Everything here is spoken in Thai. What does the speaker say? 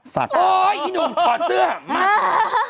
สักโอ๊ยนิมถอดเสื้อมา